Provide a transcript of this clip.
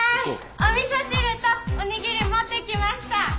お味噌汁とおにぎり持ってきました！